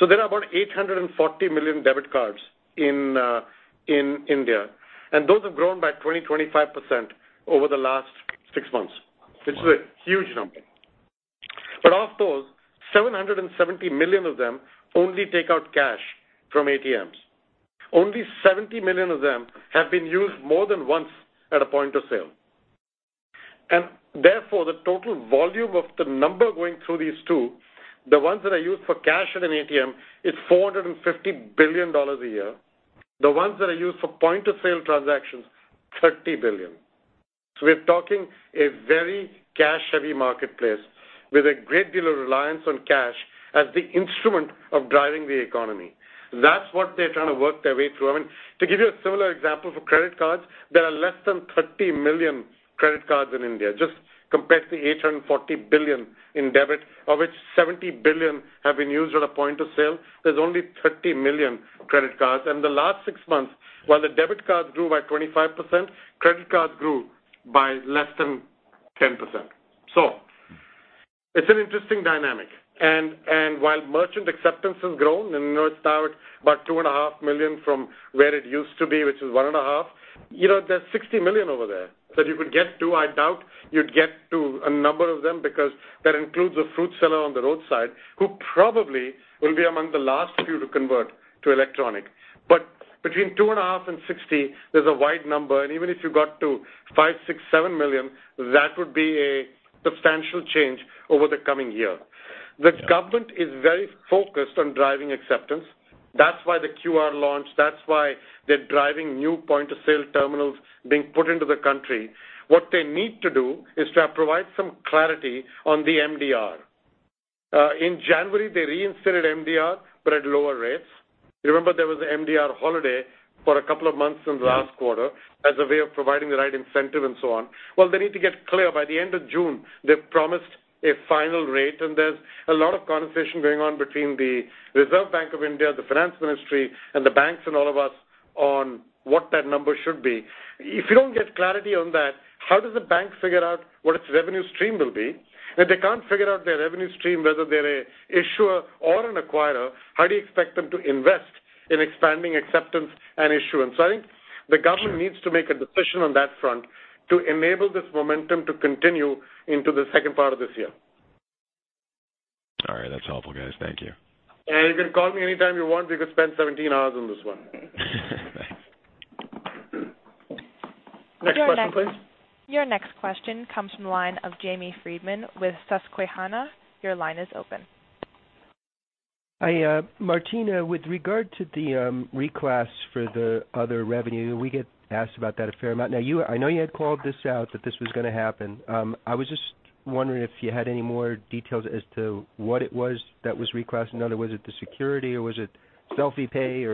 S3: There are about 840 million debit cards in India, and those have grown by 20%-25% over the last six months.
S10: Wow.
S3: This is a huge number. Of those, 770 million of them only take out cash from ATMs. Only 70 million of them have been used more than once at a point of sale. Therefore, the total volume of the number going through these two, the ones that are used for cash at an ATM, is $450 billion a year. The ones that are used for point-of-sale transactions, $30 billion. We're talking a very cash-heavy marketplace with a great deal of reliance on cash as the instrument of driving the economy. That's what they're trying to work their way through. To give you a similar example for credit cards, there are less than 30 million credit cards in India. Just compare it to the 840 billion in debit, of which 70 billion have been used at a point of sale. There's only 30 million credit cards. The last six months, while the debit cards grew by 25%, credit cards grew by less than 10%. It's an interesting dynamic. While merchant acceptance has grown, and now it's about two and a half million from where it used to be, which is one and a half. There's 60 million over there that you could get to. I doubt you'd get to a number of them because that includes a fruit seller on the roadside who probably will be among the last few to convert to electronic. Between two and a half and 60, there's a wide number. Even if you got to five, six, seven million, that would be a substantial change over the coming year.
S10: Yeah.
S3: The government is very focused on driving acceptance. That's why the QR launch, that's why they're driving new point-of-sale terminals being put into the country. What they need to do is to provide some clarity on the MDR. In January, they reinstated MDR, but at lower rates. You remember there was an MDR holiday for a couple of months in the last quarter as a way of providing the right incentive and so on. They need to get clear. By the end of June, they've promised a final rate, and there's a lot of conversation going on between the Reserve Bank of India, the Finance Ministry, and the banks, and all of us on what that number should be. If you don't get clarity on that, how does the bank figure out what its revenue stream will be? If they can't figure out their revenue stream, whether they're an issuer or an acquirer, how do you expect them to invest in expanding acceptance and issuance? I think the government-
S10: Sure
S3: needs to make a decision on that front to enable this momentum to continue into the second part of this year.
S10: All right. That's helpful, guys. Thank you.
S3: You can call me anytime you want. We could spend 17 hours on this one.
S10: Thanks.
S3: Next question, please.
S1: Your next question comes from the line of James Friedman with Susquehanna. Your line is open.
S11: Martina, with regard to the reclass for the other revenue, we get asked about that a fair amount. I know you had called this out that this was going to happen. I was just wondering if you had any more details as to what it was that was reclassed. In other words, was it the security or was it Selfie Pay?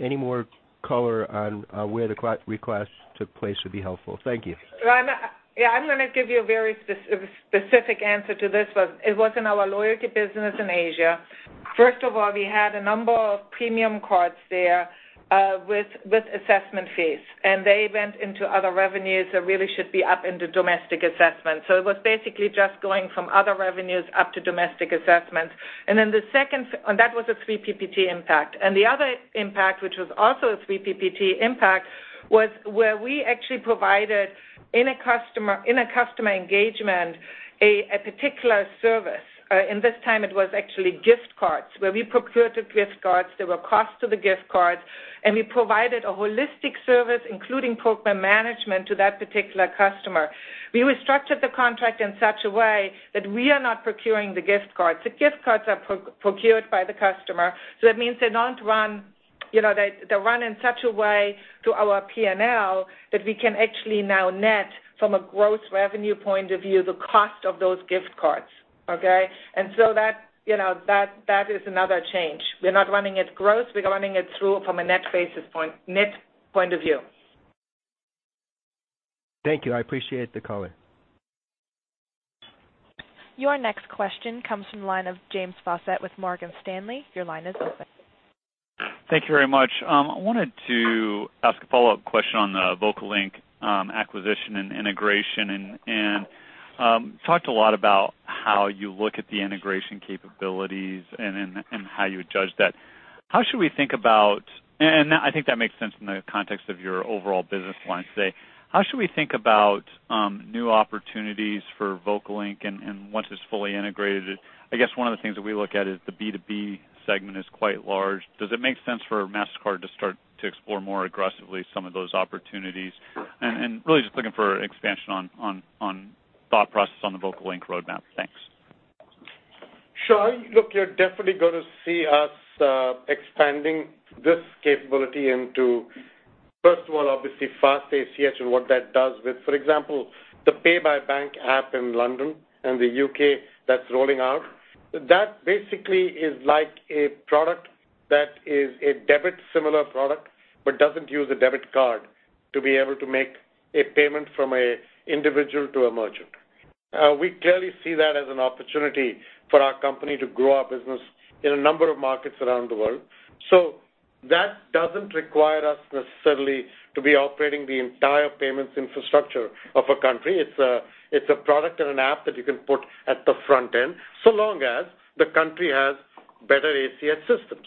S11: Any more color on where the reclass took place would be helpful. Thank you.
S4: Yeah. I'm going to give you a very specific answer to this one. It was in our loyalty business in Asia. First of all, we had a number of premium cards there with assessment fees, and they went into other revenues that really should be up into domestic assessments. It was basically just going from other revenues up to domestic assessments. That was a 3 PPT impact. The other impact, which was also a 3 PPT impact, was where we actually provided, in a customer engagement, a particular service. This time it was actually gift cards. Where we procured the gift cards, there were costs to the gift cards, and we provided a holistic service, including program management to that particular customer. We restructured the contract in such a way that we are not procuring the gift cards. The gift cards are procured by the customer. That means they run in such a way to our P&L that we can actually now net from a gross revenue point of view, the cost of those gift cards. Okay? That is another change. We're not running it gross. We're running it through from a net point of view.
S11: Thank you. I appreciate the color.
S1: Your next question comes from the line of James Faucette with Morgan Stanley. Your line is open.
S12: Thank you very much. I wanted to ask a follow-up question on the VocaLink acquisition and integration. Talked a lot about how you look at the integration capabilities and how you would judge that. I think that makes sense in the context of your overall business lines today. How should we think about new opportunities for VocaLink once it's fully integrated? I guess one of the things that we look at is the B2B segment is quite large. Does it make sense for Mastercard to start to explore more aggressively some of those opportunities? Really just looking for expansion on thought process on the VocaLink roadmap. Thanks.
S3: Sure. Look, you're definitely going to see us expanding this capability into First of all, obviously, Fast ACH and what that does with, for example, the Pay by Bank app in London and the U.K. that's rolling out. That basically is like a product that is a debit similar product but doesn't use a debit card to be able to make a payment from a individual to a merchant. We clearly see that as an opportunity for our company to grow our business in a number of markets around the world. That doesn't require us necessarily to be operating the entire payments infrastructure of a country. It's a product and an app that you can put at the front end, so long as the country has better ACH systems.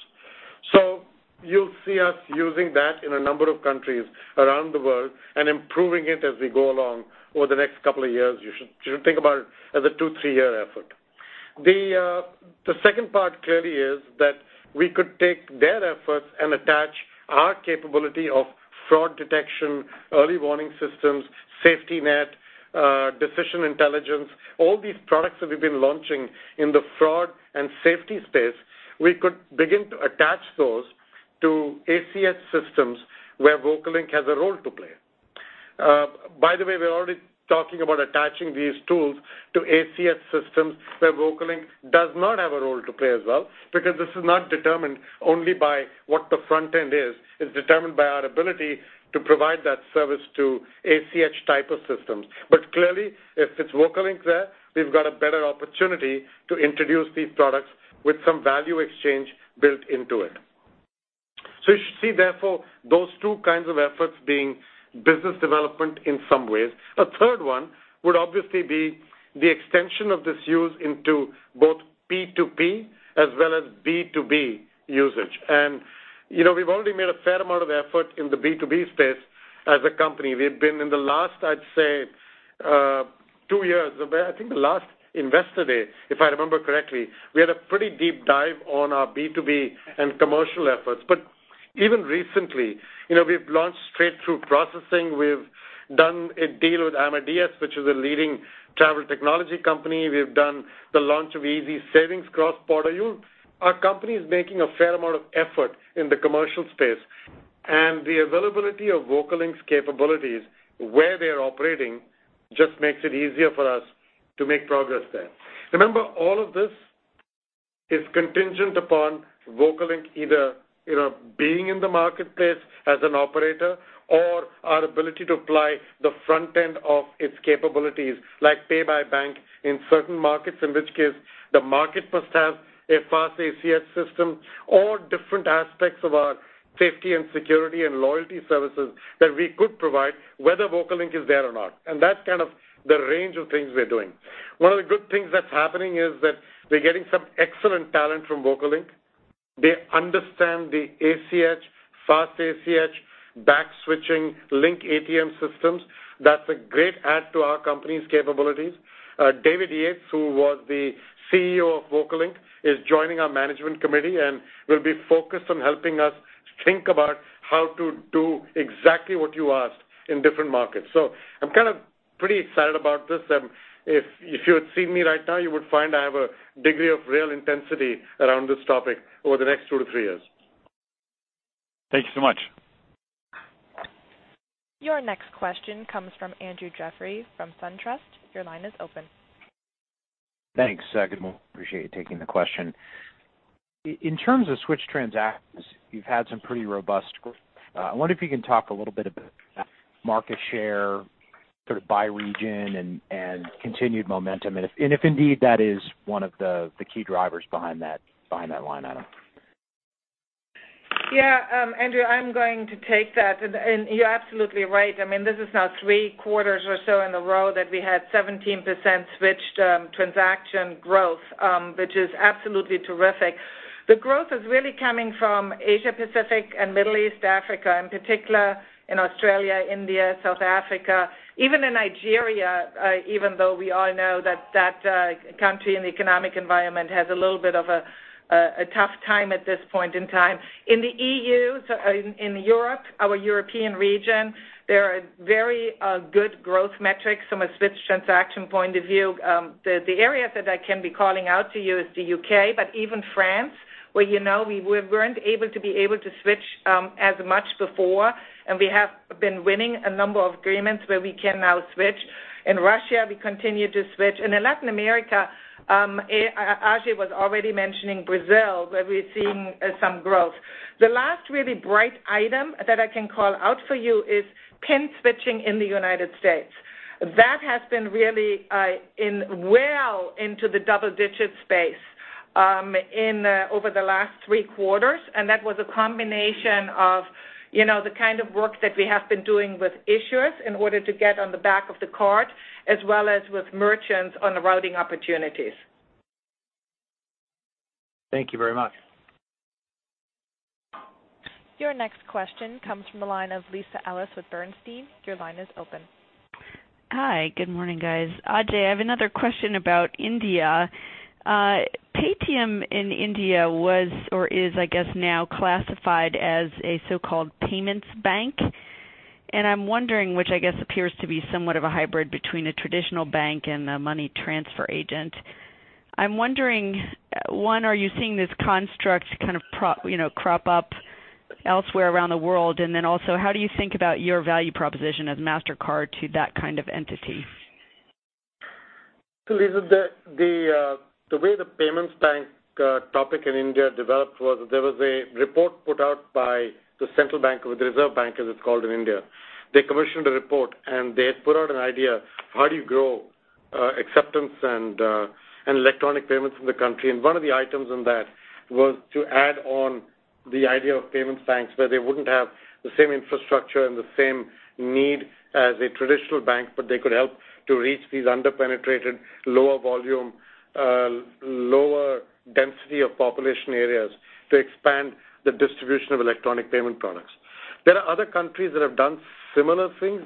S3: You'll see us using that in a number of countries around the world and improving it as we go along over the next couple of years. You should think about it as a two, three-year effort. The second part clearly is that we could take their efforts and attach our capability of fraud detection, Early Warning System, Safety Net, Decision Intelligence, all these products that we've been launching in the fraud and safety space. We could begin to attach those to ACH systems where VocaLink has a role to play. By the way, we're already talking about attaching these tools to ACH systems where VocaLink does not have a role to play as well, because this is not determined only by what the front end is. It's determined by our ability to provide that service to ACH type of systems. Clearly, if it's VocaLink there, we've got a better opportunity to introduce these products with some value exchange built into it. You should see, therefore, those two kinds of efforts being business development in some ways. A third one would obviously be the extension of this use into both P2P as well as B2B usage. We've already made a fair amount of effort in the B2B space as a company. We've been in the last, I'd say, two years, where I think the last Investor Day, if I remember correctly, we had a pretty deep dive on our B2B and commercial efforts. Even recently, we've launched straight-through processing. We've done a deal with Amadeus, which is a leading travel technology company. We've done the launch of Easy Savings cross-border use. Our company is making a fair amount of effort in the commercial space, and the availability of VocaLink's capabilities where they are operating just makes it easier for us to make progress there. Remember, all of this is contingent upon VocaLink either being in the marketplace as an operator or our ability to apply the front end of its capabilities, like Pay by Bank in certain markets, in which case the market must have a Fast ACH system or different aspects of our safety and security and loyalty services that we could provide, whether VocaLink is there or not. That's kind of the range of things we're doing. One of the good things that's happening is that we're getting some excellent talent from VocaLink. They understand the ACH, Fast ACH, Link ATM systems. That's a great add to our company's capabilities. David Yates, who was the CEO of VocaLink, is joining our management committee and will be focused on helping us think about how to do exactly what you asked in different markets. I'm kind of pretty excited about this. If you had seen me right now, you would find I have a degree of real intensity around this topic over the next two to three years.
S12: Thank you so much.
S1: Your next question comes from Andrew Jeffrey from SunTrust. Your line is open.
S13: Thanks. Good morning. Appreciate you taking the question. In terms of switch transactions, you've had some pretty robust growth. I wonder if you can talk a little bit about market share by region and continued momentum, and if indeed that is one of the key drivers behind that line item.
S3: Yeah, Andrew, I'm going to take that. You're absolutely right. This is now three quarters or so in a row that we had 17% switched transaction growth, which is absolutely terrific. The growth is really coming from Asia, Pacific and Middle East, Africa, in particular in Australia, India, South Africa. Even in Nigeria, even though we all know that that country and the economic environment has a little bit of a tough time at this point in time. In the EU, in Europe, our European region, there are very good growth metrics from a switch transaction point of view. The areas that I can be calling out to you is the U.K., Even France, where we weren't able to be able to switch as much before, We have been winning a number of agreements where we can now switch. In Russia, we continue to switch.
S4: In Latin America, Ajay was already mentioning Brazil, where we're seeing some growth. The last really bright item that I can call out for you is PIN switching in the U.S. That has been really well into the double-digit space over the last three quarters, That was a combination of the kind of work that we have been doing with issuers in order to get on the back of the card, as well as with merchants on the routing opportunities.
S13: Thank you very much.
S1: Your next question comes from the line of Lisa Ellis with Bernstein. Your line is open.
S14: Hi. Good morning, guys. Ajay, I have another question about India. Paytm in India was or is, I guess, now classified as a so-called payments bank. I'm wondering, which I guess appears to be somewhat of a hybrid between a traditional bank and a money transfer agent. I'm wondering, one, are you seeing this construct kind of crop up elsewhere around the world? Then also, how do you think about your value proposition as Mastercard to that kind of entity?
S3: Lisa, the way the payments bank topic in India developed was there was a report put out by the Central Bank or the Reserve Bank, as it's called in India. They commissioned a report, and they had put out an idea of how do you grow acceptance and electronic payments in the country. One of the items in that was to add on the idea of payments banks where they wouldn't have the same infrastructure and the same need as a traditional bank, but they could help to reach these under-penetrated, lower volume, lower density of population areas to expand the distribution of electronic payment products. There are other countries that have done similar things.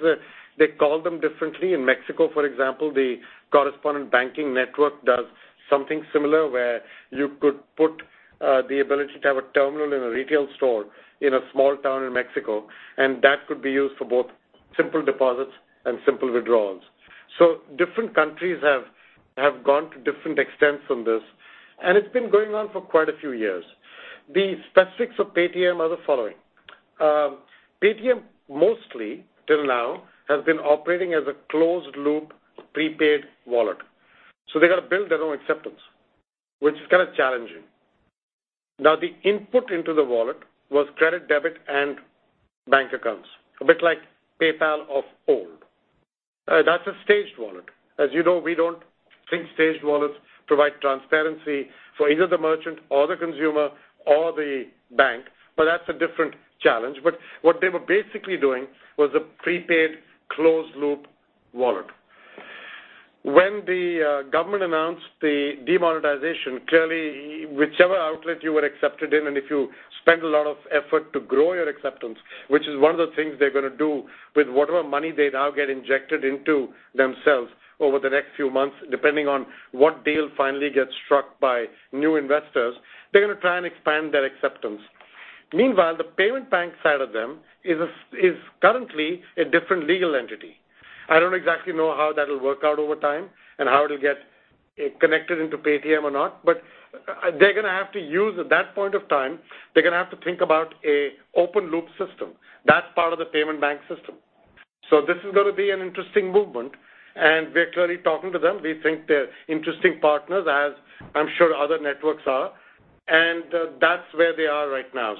S3: They call them differently. In Mexico, for example, the correspondent banking network does something similar where you could put the ability to have a terminal in a retail store in a small town in Mexico, and that could be used for both simple deposits and simple withdrawals. Different countries have gone to different extents on this, and it's been going on for quite a few years. The specifics of Paytm are the following. Paytm mostly, till now, has been operating as a closed-loop prepaid wallet. They've got to build their own acceptance, which is kind of challenging. Now, the input into the wallet was credit, debit, and bank accounts, a bit like PayPal of old. That's a staged wallet. As you know, we don't think staged wallets provide transparency for either the merchant or the consumer or the bank, but that's a different challenge. What they were basically doing was a prepaid closed-loop wallet. When the government announced the demonetization, clearly whichever outlet you were accepted in, and if you spent a lot of effort to grow your acceptance, which is one of the things they're going to do with whatever money they now get injected into themselves over the next few months, depending on what deal finally gets struck by new investors, they're going to try and expand their acceptance. Meanwhile, the payment bank side of them is currently a different legal entity. I don't exactly know how that'll work out over time and how it'll get connected into Paytm or not, but at that point of time, they're going to have to think about an open-loop system. That's part of the payment bank system. This is going to be an interesting movement, and we're clearly talking to them. We think they're interesting partners, as I'm sure other networks are, and that's where they are right now.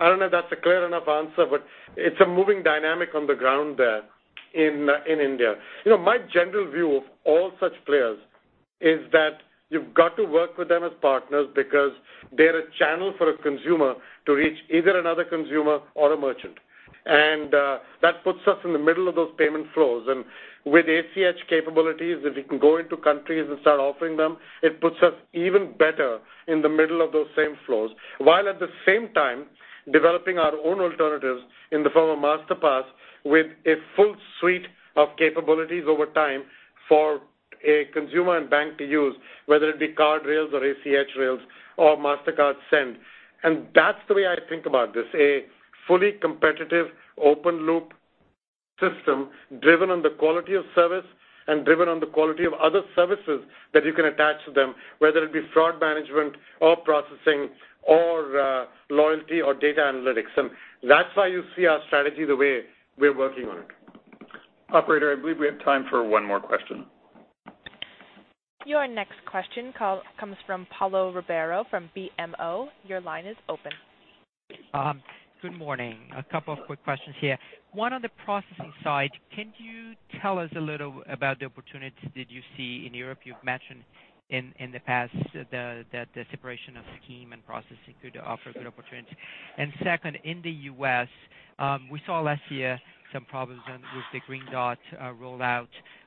S3: I don't know if that's a clear enough answer, but it's a moving dynamic on the ground there in India. My general view of all such players is that you've got to work with them as partners because they're a channel for a consumer to reach either another consumer or a merchant. That puts us in the middle of those payment flows. With ACH capabilities that we can go into countries and start offering them, it puts us even better in the middle of those same flows. While at the same time, developing our own alternatives in the form of Masterpass with a full suite of capabilities over time for a consumer and bank to use, whether it be card rails or ACH rails or Mastercard Send. That's the way I think about this, a fully competitive open-loop system driven on the quality of service and driven on the quality of other services that you can attach to them, whether it be fraud management or processing or loyalty or data analytics. That's why you see our strategy the way we're working on it.
S2: Operator, I believe we have time for one more question.
S1: Your next question comes from Paulo Ribeiro from BMO. Your line is open.
S15: Good morning. A couple of quick questions here. One on the processing side, can you tell us a little about the opportunities that you see in Europe? You've mentioned in the past that the separation of scheme and processing could offer good opportunities. Second, in the U.S., we saw last year some problems with the Green Dot rollout.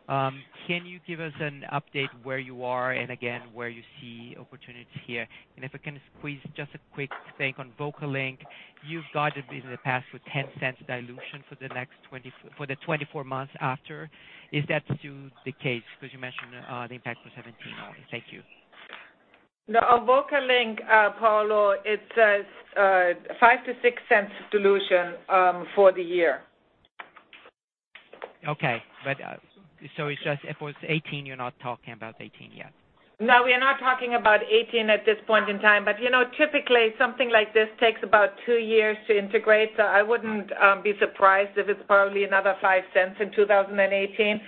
S15: Can you give us an update where you are and again, where you see opportunities here? If I can squeeze just a quick take on VocaLink, you've guided in the past with $0.10 dilution for the 24 months after. Is that still the case? Because you mentioned the impact for 2017 only. Thank you.
S4: No, on VocaLink, Paulo, it's $0.05-$0.06 dilution for the year.
S15: Okay. It's just if it was 18, you are not talking about 18 yet.
S4: No, we are not talking about 18 at this point in time. Typically, something like this takes about 2 years to integrate. I would not be surprised if it is probably another $0.05 in 2018.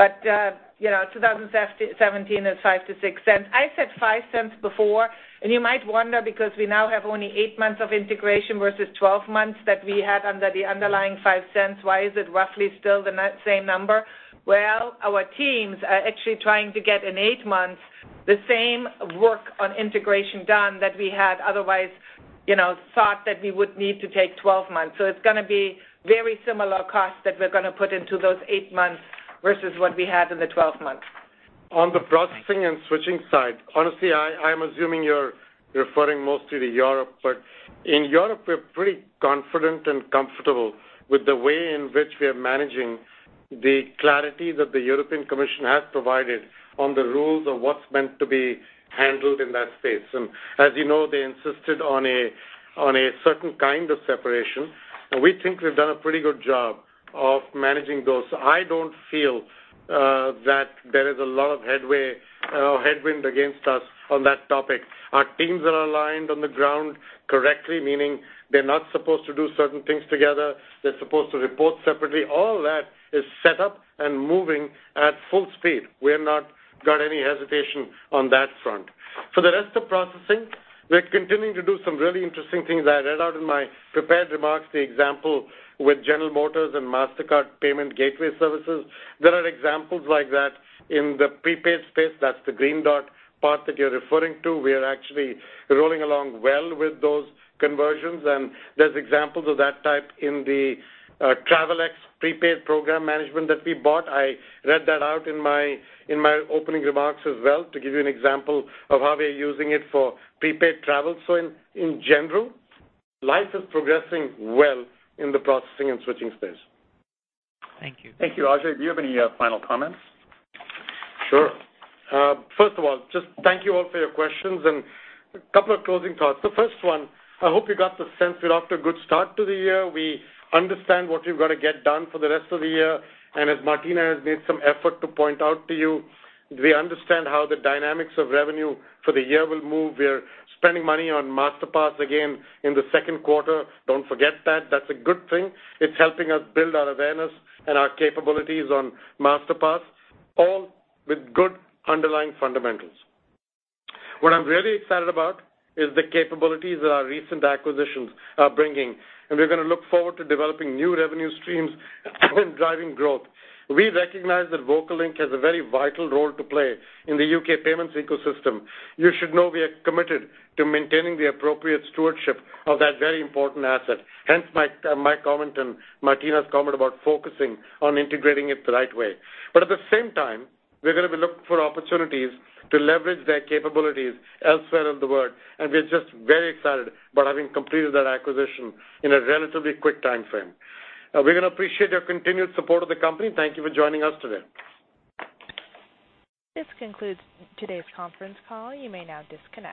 S4: 2017 is $0.05-$0.06. I said $0.05 before, and you might wonder because we now have only 8 months of integration versus 12 months that we had under the underlying $0.05. Why is it roughly still the same number? Well, our teams are actually trying to get in 8 months the same work on integration done that we had otherwise thought that we would need to take 12 months. It is going to be very similar cost that we are going to put into those 8 months versus what we had in the 12 months.
S3: On the processing and switching side, honestly, I am assuming you are referring mostly to Europe, in Europe, we are pretty confident and comfortable with the way in which we are managing the clarity that the European Commission has provided on the rules of what is meant to be handled in that space. As you know, they insisted on a certain kind of separation, and we think we have done a pretty good job of managing those. I do not feel that there is a lot of headwind against us on that topic. Our teams are aligned on the ground correctly, meaning they are not supposed to do certain things together. They are supposed to report separately. All that is set up and moving at full speed. We have not got any hesitation on that front. For the rest of processing, we are continuing to do some really interesting things. I read out in my prepared remarks the example with General Motors and Mastercard Payment Gateway Services. There are examples like that in the prepaid space. That is the Green Dot part that you are referring to. We are actually rolling along well with those conversions, and there are examples of that type in the Travelex prepaid program management that we bought. I read that out in my opening remarks as well, to give you an example of how we are using it for prepaid travel. In general, life is progressing well in the processing and switching space.
S15: Thank you. Thank you. Ajay, do you have any final comments?
S3: Sure. First of all, just thank you all for your questions and a couple of closing thoughts. The first one, I hope you got the sense we're off to a good start to the year. We understand what we've got to get done for the rest of the year. As Martina has made some effort to point out to you, we understand how the dynamics of revenue for the year will move. We're spending money on Masterpass again in the second quarter. Don't forget that. That's a good thing. It's helping us build our awareness and our capabilities on Masterpass, all with good underlying fundamentals. What I'm really excited about is the capabilities that our recent acquisitions are bringing, and we're going to look forward to developing new revenue streams and driving growth. We recognize that VocaLink has a very vital role to play in the U.K. payments ecosystem. You should know we are committed to maintaining the appropriate stewardship of that very important asset, hence my comment and Martina's comment about focusing on integrating it the right way. At the same time, we're going to be looking for opportunities to leverage their capabilities elsewhere in the world, and we're just very excited about having completed that acquisition in a relatively quick timeframe. We're going to appreciate your continued support of the company. Thank you for joining us today.
S1: This concludes today's conference call. You may now disconnect.